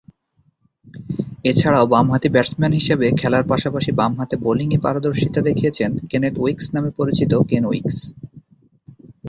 এছাড়াও, বামহাতি ব্যাটসম্যান হিসেবে খেলার পাশাপাশি বামহাতে বোলিংয়ে পারদর্শীতা দেখিয়েছেন কেনেথ উইকস নামে পরিচিত কেন উইকস।